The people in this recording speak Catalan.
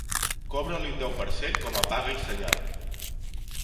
Cobra-li un deu per cent com a paga i senyal.